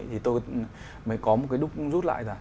thì tôi mới có một cái đúc rút lại là